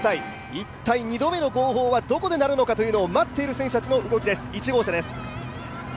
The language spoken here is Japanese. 一体、２度目の号砲はどこで鳴るのかという動きを待っている選手たちの動きです、１号車です。